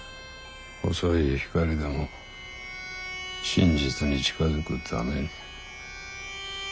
細い光でも真実に近づくために。